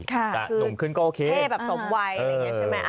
แต่หนุ่มขึ้นก็โอเคเท่แบบสมวัย